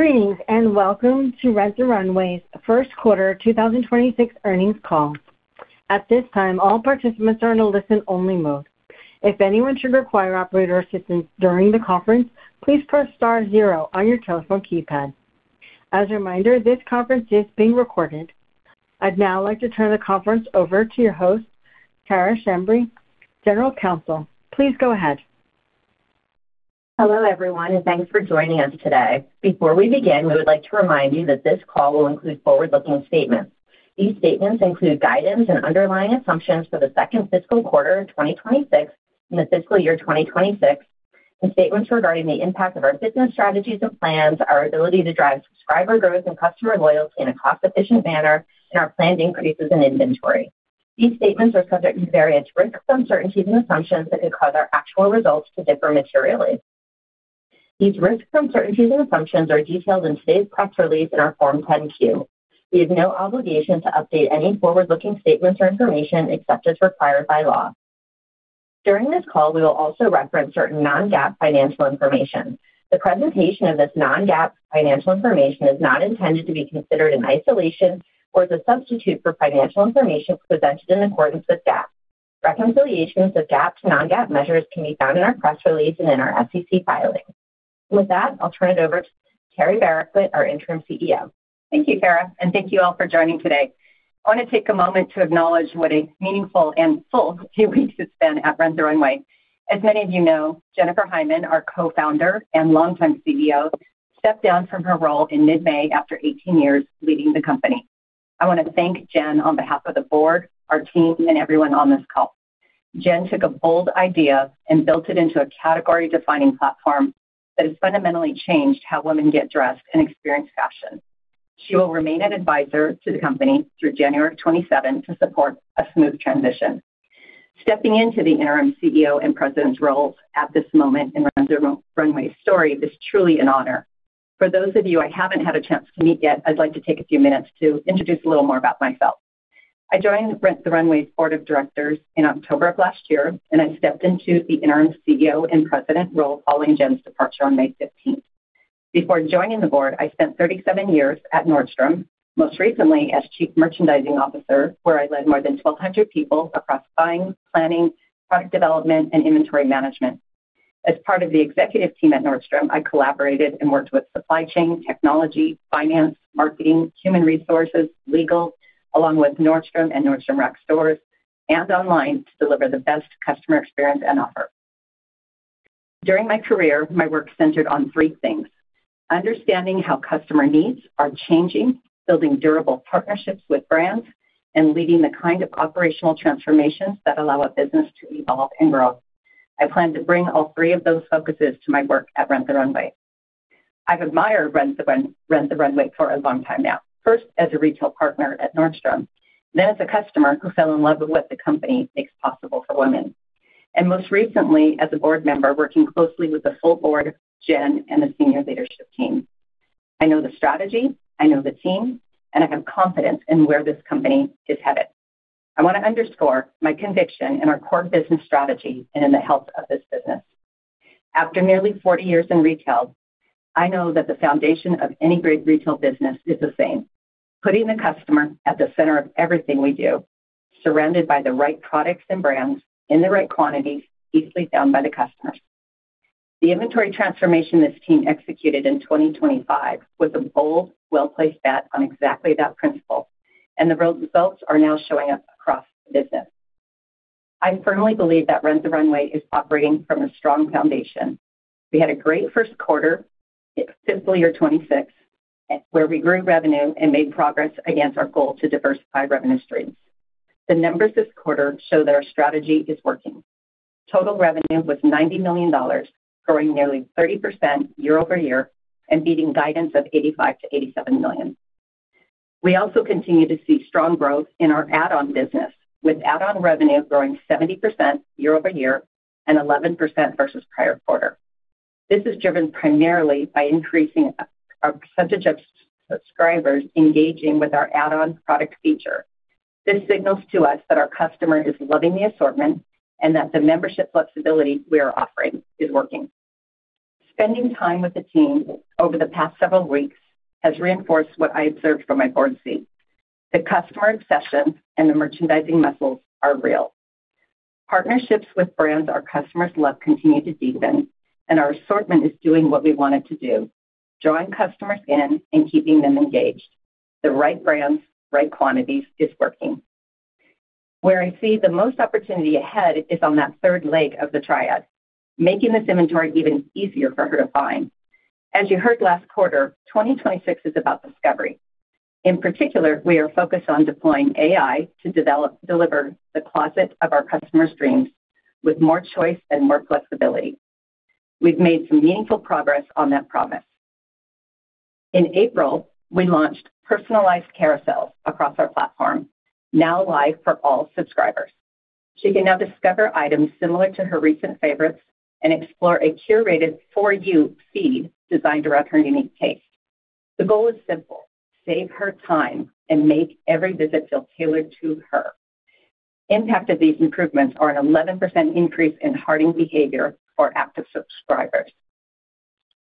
Greetings, and welcome to Rent the Runway's first quarter 2026 earnings call. At this time, all participants are in a listen-only mode. If anyone should require operator assistance during the conference, please press star zero on your telephone keypad. As a reminder, this conference is being recorded. I'd now like to turn the conference over to your host, Cara Schembri, General Counsel. Please go ahead. Hello, everyone, and thanks for joining us today. Before we begin, we would like to remind you that this call will include forward-looking statements. These statements include guidance and underlying assumptions for the second fiscal quarter of 2026 and the fiscal year 2026, and statements regarding the impact of our business strategies and plans, our ability to drive subscriber growth and customer loyalty in a cost-efficient manner, and our planned increases in inventory. These statements are subject to various risks, uncertainties, and assumptions that could cause our actual results to differ materially. These risks, uncertainties, and assumptions are detailed in today's press release and our Form 10-Q. We have no obligation to update any forward-looking statements or information except as required by law. During this call, we will also reference certain non-GAAP financial information. The presentation of this non-GAAP financial information is not intended to be considered in isolation or as a substitute for financial information presented in accordance with GAAP. Reconciliations of GAAP to non-GAAP measures can be found in our press release and in our SEC filings. With that, I'll turn it over to Teri Bariquit, our Interim CEO. Thank you, Cara, thank you all for joining today. I want to take a moment to acknowledge what a meaningful and full few weeks it's been at Rent the Runway. As many of you know, Jennifer Hyman, our Co-Founder and longtime CEO, stepped down from her role in mid-May after 18 years leading the company. I want to thank Jenn on behalf of the Board, our team, and everyone on this call. Jenn took a bold idea and built it into a category-defining platform that has fundamentally changed how women get dressed and experience fashion. She will remain an advisor to the company through January 27 to support a smooth transition. Stepping into the Interim CEO and President roles at this moment in Rent the Runway's story is truly an honor. For those of you I haven't had a chance to meet yet, I'd like to take a few minutes to introduce a little more about myself. I joined Rent the Runway's Board of Directors in October of last year, and I stepped into the Interim CEO and President role following Jenn's departure on May 15th. Before joining the Board, I spent 37 years at Nordstrom, most recently as Chief Merchandising Officer, where I led more than 1,200 people across buying, planning, product development, and inventory management. As part of the executive team at Nordstrom, I collaborated and worked with supply chain technology, finance, marketing, human resources, legal, along with Nordstrom and Nordstrom Rack stores and online, to deliver the best customer experience and offer. During my career, my work centered on three things: understanding how customer needs are changing, building durable partnerships with brands, and leading the kind of operational transformations that allow a business to evolve and grow. I plan to bring all three of those focuses to my work at Rent the Runway. I've admired Rent the Runway for a long time now. First, as a retail partner at Nordstrom, then as a customer who fell in love with what the company makes possible for women. Most recently, as a Board member, working closely with the full Board, Jenn, and the senior leadership team. I know the strategy, I know the team, and I have confidence in where this company is headed. I want to underscore my conviction in our core business strategy and in the health of this business. After nearly 40 years in retail, I know that the foundation of any great retail business is the same: putting the customer at the center of everything we do, surrounded by the right products and brands in the right quantities, easily found by the customers. The inventory transformation this team executed in 2025 was a bold, well-placed bet on exactly that principle, and the results are now showing up across the business. I firmly believe that Rent the Runway is operating from a strong foundation. We had a great first quarter, fiscal year 2026, where we grew revenue and made progress against our goal to diversify revenue streams. The numbers this quarter show that our strategy is working. Total revenue was $90 million, growing nearly 30% year-over-year and beating guidance of $85 million-$87 million. We also continue to see strong growth in our Add-On business, with Add-On revenue growing 70% year-over-year and 11% versus prior quarter. This is driven primarily by increasing our percentage of subscribers engaging with our add-on product feature. This signals to us that our customer is loving the assortment and that the membership flexibility we are offering is working. Spending time with the team over the past several weeks has reinforced what I observed from my Board seat. The customer obsession and the merchandising muscle are real. Partnerships with brands our customers love continue to deepen, and our assortment is doing what we want it to do, drawing customers in and keeping them engaged. The right brands, right quantities is working. Where I see the most opportunity ahead is on that third leg of the triad, making this inventory even easier for her to find. As you heard last quarter, 2026 is about discovery. In particular, we are focused on deploying AI to deliver the closet of our customer's dreams with more choice and more flexibility. We've made some meaningful progress on that promise. In April, we launched personalized carousels across our platform, now live for all subscribers. She can now discover items similar to her recent favorites and explore a curated for you feed designed around her unique taste. The goal is simple: save her time and make every visit feel tailored to her. Impact of these improvements are an 11% increase in hearting behavior for active subscribers.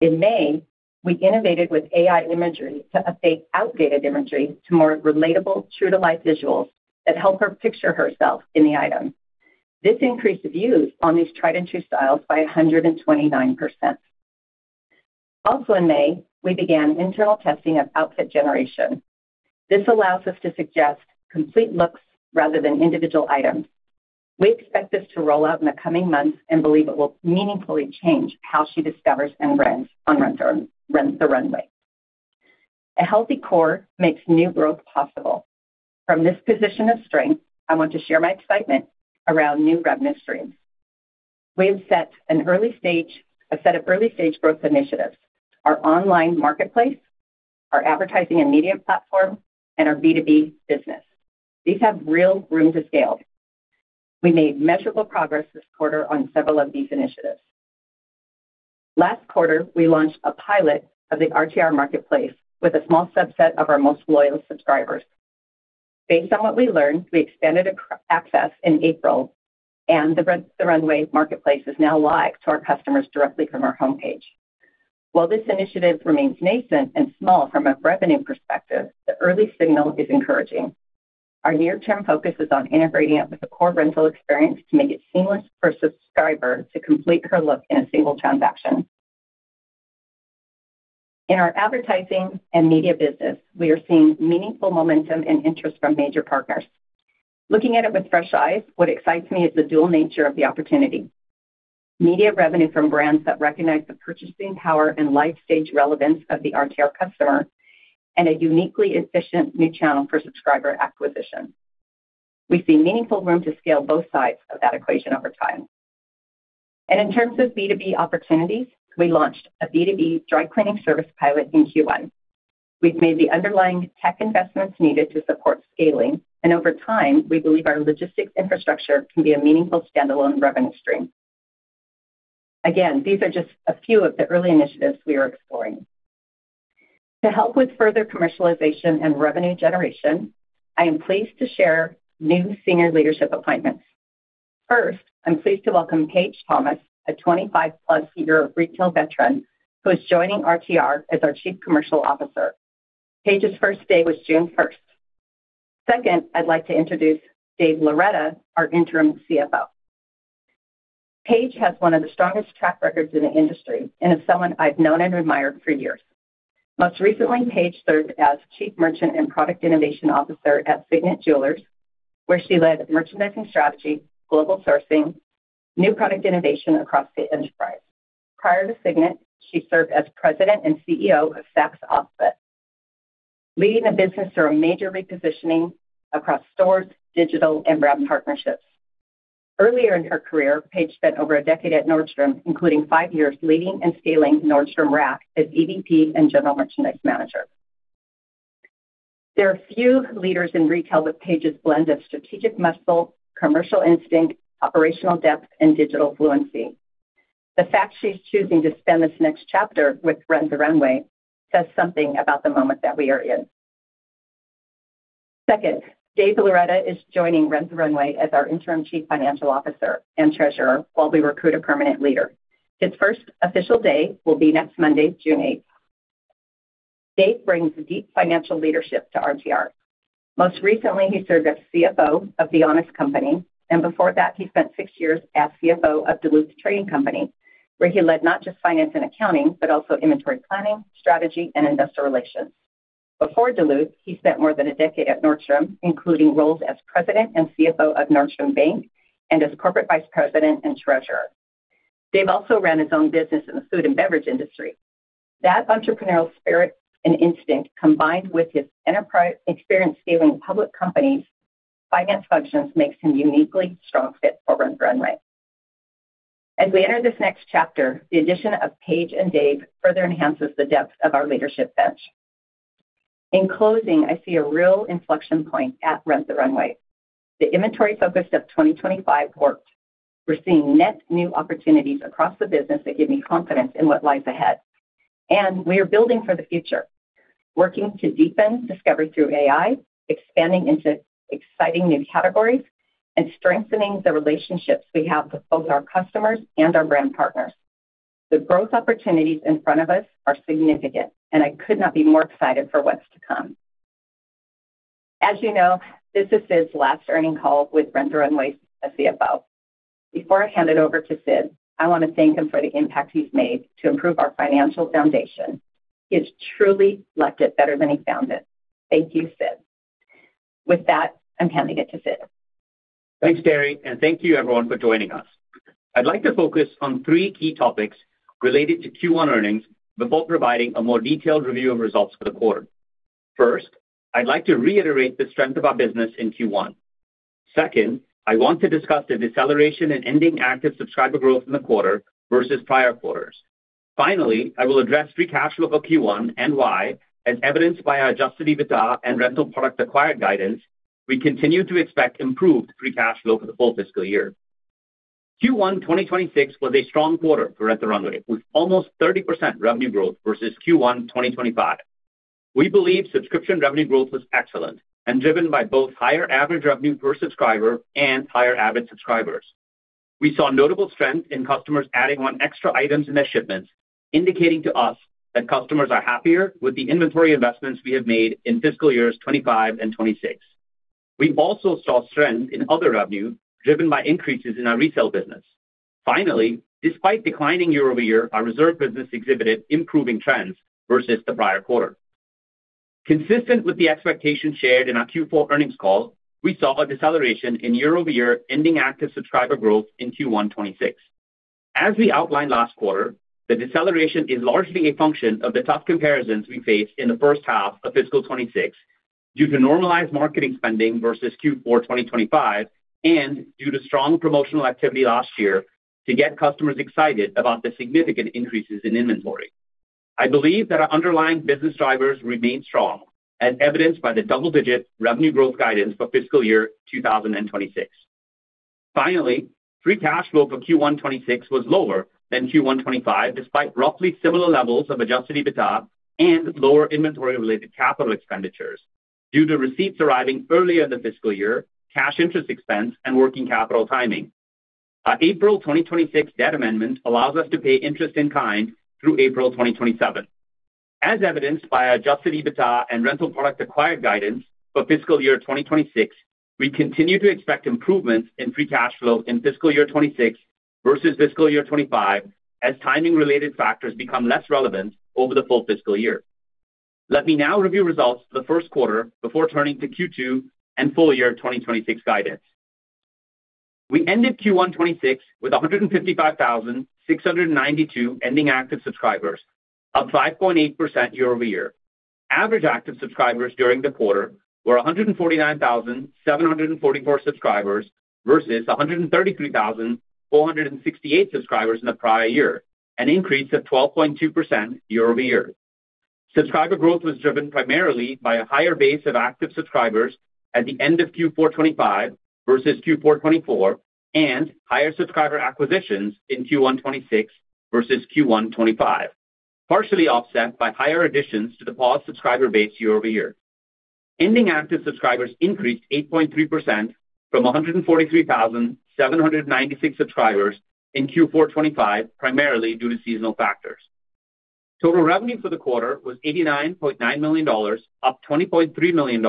In May, we innovated with AI imagery to update outdated imagery to more relatable, true-to-life visuals that help her picture herself in the item. This increased views on these tried-and-true styles by 129%. In May, we began internal testing of outfit generation. This allows us to suggest complete looks rather than individual items. We expect this to roll out in the coming months and believe it will meaningfully change how she discovers and rents on Rent the Runway. A healthy core makes new growth possible. From this position of strength, I want to share my excitement around new revenue streams. We have set a set of early-stage growth initiatives, our online marketplace, our advertising and media platform, and our B2B business. These have real room to scale. We made measurable progress this quarter on several of these initiatives. Last quarter, we launched a pilot of the RTR Marketplace with a small subset of our most loyal subscribers. Based on what we learned, we expanded access in April, the Rent the Runway Marketplace is now live to our customers directly from our homepage. While this initiative remains nascent and small from a revenue perspective, the early signal is encouraging. Our near-term focus is on integrating it with the core rental experience to make it seamless for a subscriber to complete her look in a single transaction. In our Advertising and Media business, we are seeing meaningful momentum and interest from major partners. Looking at it with fresh eyes, what excites me is the dual nature of the opportunity, Media revenue from brands that recognize the purchasing power and life stage relevance of the RTR customer, and a uniquely efficient new channel for subscriber acquisition. We see meaningful room to scale both sides of that equation over time. In terms of B2B opportunities, we launched a B2B dry cleaning service pilot in Q1. We've made the underlying tech investments needed to support scaling. Over time, we believe our logistics infrastructure can be a meaningful standalone revenue stream. Again, these are just a few of the early initiatives we are exploring. To help with further commercialization and revenue generation, I am pleased to share new senior leadership appointments. First, I'm pleased to welcome Paige Thomas, a 25+ year retail veteran who is joining RTR as our Chief Commercial Officer. Paige's first day was June 1st. Second, I'd like to introduce Dave Loretta, our Interim CFO. Paige has one of the strongest track records in the industry and is someone I've known and admired for years. Most recently, Paige served as Chief Merchant and Product Innovation Officer at Signet Jewelers, where she led Merchandising Strategy, Global Sourcing, New Product Innovation across the enterprise. Prior to Signet, she served as President and CEO of Saks OFF 5TH, leading the business through a major repositioning across stores, digital, and brand partnerships. Earlier in her career, Paige spent over a decade at Nordstrom, including five years leading and scaling Nordstrom Rack as EVP and General Merchandise Manager. There are few leaders in retail with Paige's blend of strategic muscle, commercial instinct, operational depth, and digital fluency. The fact she's choosing to spend this next chapter with Rent the Runway says something about the moment that we are in. Second, Dave Loretta is joining Rent the Runway as our Interim Chief Financial Officer and Treasurer while we recruit a permanent leader. His first official day will be next Monday, June 8th. Dave brings deep financial leadership to RTR. Most recently, he served as CFO of The Honest Company, and before that, he spent six years as CFO of Duluth Trading Company, where he led not just Finance and Accounting, but also Inventory Planning, Strategy, and Investor Relations. Before Duluth, he spent more than a decade at Nordstrom, including roles as President and CFO of Nordstrom Bank and as Corporate Vice President and Treasurer. Dave also ran his own business in the Food and Beverage industry. That entrepreneurial spirit and instinct, combined with his enterprise experience scaling public companies' finance functions, makes him a uniquely strong fit for Rent the Runway. As we enter this next chapter, the addition of Paige and Dave further enhances the depth of our leadership bench. In closing, I see a real inflection point at Rent the Runway. The inventory focus of 2025 worked. We're seeing net new opportunities across the business that give me confidence in what lies ahead. We are building for the future, working to deepen discovery through AI, expanding into exciting new categories, and strengthening the relationships we have with both our customers and our brand partners. The growth opportunities in front of us are significant, and I could not be more excited for what's to come. As you know, this is Sid's last earning call with Rent the Runway as CFO. Before I hand it over to Sid, I want to thank him for the impact he's made to improve our financial foundation. He has truly left it better than he found it. Thank you, Sid. With that, I'm handing it to Sid. Thanks, Teri. Thank you, everyone, for joining us. I'd like to focus on three key topics related to Q1 earnings before providing a more detailed review of results for the quarter. First, I'd like to reiterate the strength of our business in Q1. Second, I want to discuss the deceleration in ending active subscriber growth in the quarter versus prior quarters. Finally, I will address free cash flow for Q1 and why, as evidenced by our Adjusted EBITDA and rental product acquired guidance, we continue to expect improved free cash flow for the full fiscal year. Q1 2026 was a strong quarter for Rent the Runway, with almost 30% revenue growth versus Q1 2025. We believe Subscription revenue growth was excellent and driven by both higher average revenue per subscriber and higher active subscribers. We saw notable strength in customers adding on extra items in their shipments, indicating to us that customers are happier with the inventory investments we have made in fiscal years 2025 and 2026. We also saw strength in other revenue, driven by increases in our Retail business. Finally, despite declining year-over-year, our Reserve business exhibited improving trends versus the prior quarter. Consistent with the expectations shared in our Q4 earnings call, we saw a deceleration in year-over-year ending active subscriber growth in Q1 2026. As we outlined last quarter, the deceleration is largely a function of the tough comparisons we faced in the first half of fiscal 2026 due to normalized marketing spending versus Q4 2025 and due to strong promotional activity last year to get customers excited about the significant increases in inventory. I believe that our underlying business drivers remain strong, as evidenced by the double-digit revenue growth guidance for fiscal year 2026. Finally, free cash flow for Q1 2026 was lower than Q1 2025, despite roughly similar levels of Adjusted EBITDA and lower inventory-related capital expenditures due to receipts arriving earlier in the fiscal year, cash interest expense, and working capital timing. Our April 2026 debt amendment allows us to pay interest in kind through April 2027. As evidenced by our Adjusted EBITDA and rental product acquired guidance for fiscal year 2026, we continue to expect improvements in free cash flow in fiscal year 2026 versus fiscal year 2025 as timing-related factors become less relevant over the full fiscal year. Let me now review results for the first quarter before turning to Q2 and full year 2026 guidance. We ended Q1 2026 with 155,692 ending active subscribers, up 5.8% year-over-year. Average active subscribers during the quarter were 149,744 subscribers versus 133,468 subscribers in the prior year, an increase of 12.2% year-over-year. Subscriber growth was driven primarily by a higher base of active subscribers at the end of Q4 2025 versus Q4 2024, and higher subscriber acquisitions in Q1 2026 versus Q1 2025, partially offset by higher additions to the paused subscriber base year-over-year. Ending active subscribers increased 8.3% from 143,796 subscribers in Q4 2025, primarily due to seasonal factors. Total revenue for the quarter was $89.9 million, up $20.3 million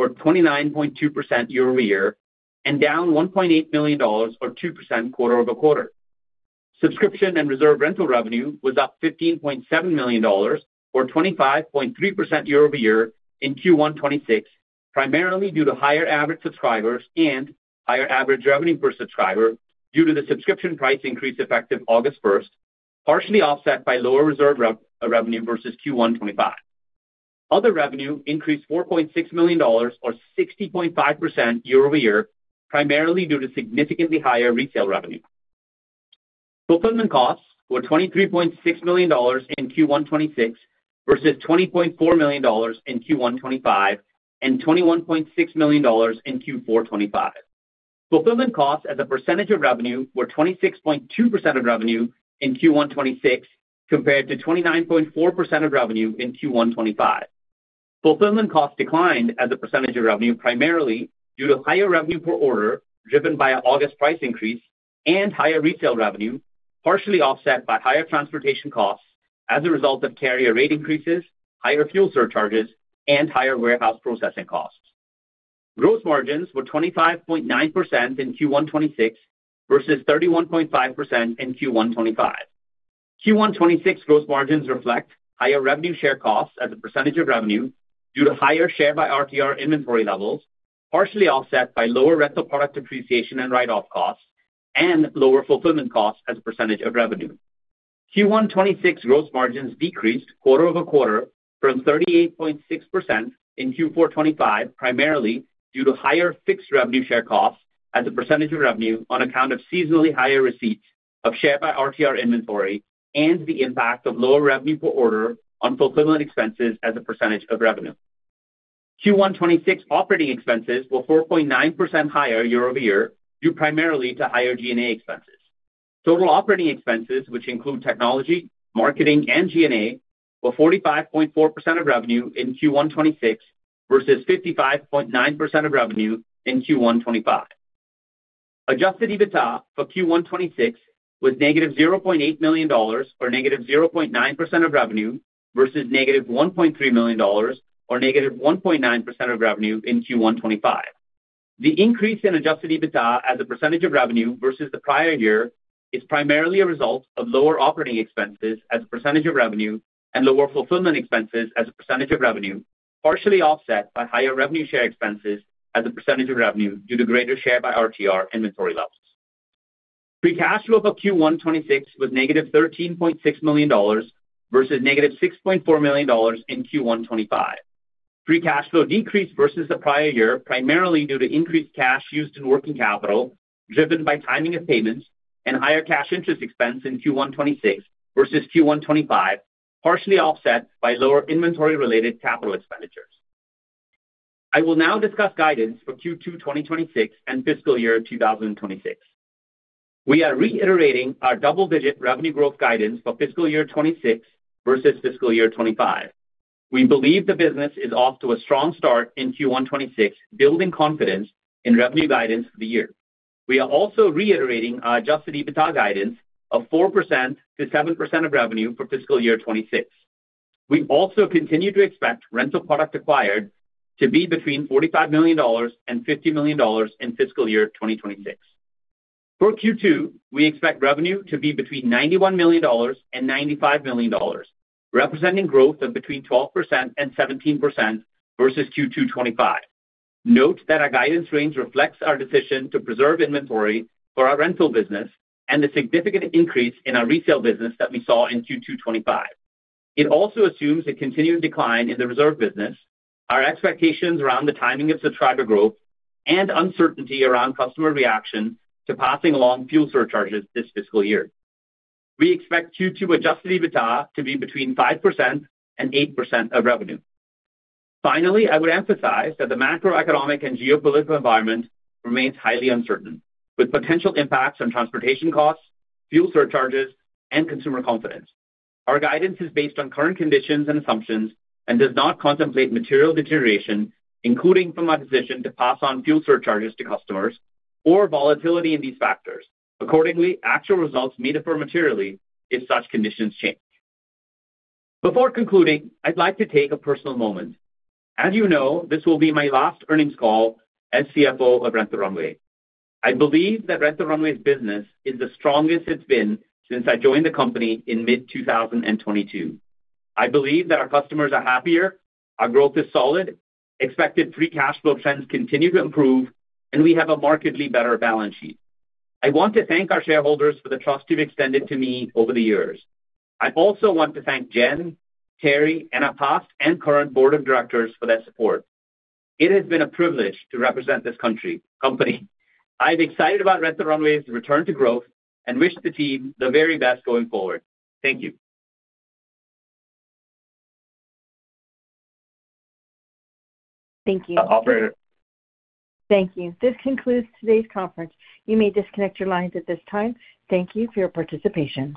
or 29.2% year-over-year, and down $1.8 million or 2% quarter-over-quarter. Subscription and Reserve Rental revenue was up $15.7 million or 25.3% year-over-year in Q1 2026, primarily due to higher average subscribers and higher average revenue per subscriber due to the Subscription price increase effective August 1st, partially offset by lower Reserve revenue versus Q1 2025. Other revenue increased $4.6 million or 60.5% year-over-year, primarily due to significantly higher retail revenue. Fulfillment costs were $23.6 million in Q1 2026 versus $20.4 million in Q1 2025 and $21.6 million in Q4 2025. Fulfillment costs as a percentage of revenue were 26.2% of revenue in Q1 2026 compared to 29.4% of revenue in Q1 2025. Fulfillment costs declined as a percentage of revenue, primarily due to higher revenue per order, driven by an August price increase and higher retail revenue, partially offset by higher transportation costs as a result of carrier rate increases, higher fuel surcharges, and higher warehouse processing costs. Gross margins were 25.9% in Q1 2026 versus 31.5% in Q1 2025. Q1 2026 gross margins reflect higher revenue share costs as a percentage of revenue due to higher Share by RTR inventory levels, partially offset by lower rental product depreciation and write-off costs and lower fulfillment costs as a percentage of revenue. Q1 2026 gross margins decreased quarter-over-quarter from 38.6% in Q4 2025, primarily due to higher fixed revenue share costs as a percentage of revenue on account of seasonally higher receipts of Share by RTR inventory and the impact of lower revenue per order on fulfillment expenses as a percentage of revenue. Q1 2026 operating expenses were 4.9% higher year-over-year, due primarily to higher G&A expenses. Total operating expenses, which include technology, marketing, and G&A, were 45.4% of revenue in Q1 2026 versus 55.9% of revenue in Q1 2025. Adjusted EBITDA for Q1 2026 was -$0.8 million or -0.9% of revenue versus negative $1.3 million or -1.9% of revenue in Q1 2025. The increase in Adjusted EBITDA as a percentage of revenue versus the prior year is primarily a result of lower operating expenses as a percentage of revenue and lower fulfillment expenses as a percentage of revenue, partially offset by higher revenue share expenses as a percentage of revenue due to greater Share by RTR inventory levels. Free cash flow for Q1 2026 was -$13.6 million versus -$6.4 million in Q1 2025. Free cash flow decreased versus the prior year, primarily due to increased cash used in working capital, driven by timing of payments and higher cash interest expense in Q1 2026 versus Q1 2025, partially offset by lower inventory-related capital expenditures. I will now discuss guidance for Q2 2026 and fiscal year 2026. We are reiterating our double-digit revenue growth guidance for fiscal year 2026 versus fiscal year 2025. We believe the business is off to a strong start in Q1 2026, building confidence in revenue guidance for the year. We are also reiterating our Adjusted EBITDA guidance of 4%-7% of revenue for fiscal year 2026. We also continue to expect rental product acquired to be between $45 million and $50 million in fiscal year 2026. For Q2, we expect revenue to be between $91 million and $95 million, representing growth of between 12% and 17% versus Q2 2025. Note that our guidance range reflects our decision to preserve inventory for our Rental business and the significant increase in our Retail business that we saw in Q2 2025. It also assumes a continued decline in the Reserve business, our expectations around the timing of subscriber growth, and uncertainty around customer reaction to passing along fuel surcharges this fiscal year. We expect Q2 Adjusted EBITDA to be between 5% and 8% of revenue. I would emphasize that the macroeconomic and geopolitical environment remains highly uncertain, with potential impacts on transportation costs, fuel surcharges, and consumer confidence. Our guidance is based on current conditions and assumptions and does not contemplate material deterioration, including from our position to pass on fuel surcharges to customers or volatility in these factors. Actual results may differ materially if such conditions change. Before concluding, I'd like to take a personal moment. As you know, this will be my last earnings call as CFO of Rent the Runway. I believe that Rent the Runway's business is the strongest it's been since I joined the company in mid 2022. I believe that our customers are happier, our growth is solid, expected free cash flow trends continue to improve, and we have a markedly better balance sheet. I want to thank our shareholders for the trust you've extended to me over the years. I also want to thank Jenn, Teri, and our past and current board of directors for their support. It has been a privilege to represent this company. I'm excited about Rent the Runway's return to growth and wish the team the very best going forward. Thank you. Thank you. Operator. Thank you. This concludes today's conference. You may disconnect your lines at this time. Thank you for your participation.